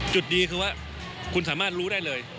จุดดีคือว่าคุณสามารถรู้ได้เลย